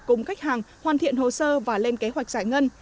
cùng khách hàng hoàn thiện hồ sơ và lên kế hoạch giải ngân